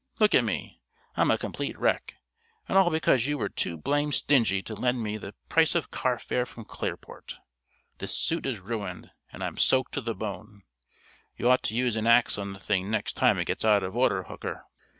Look at me! I'm a complete wreck, and all because you were too blamed stingy to lend me the price of carfare from Clearport. This suit is ruined, and I'm soaked to the bone. You ought to use an axe on the thing next time it gets out of order, Hooker."